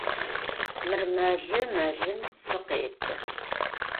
Mır melı, melım tsı khêtı.